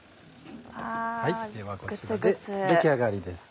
ではこちらで出来上がりです。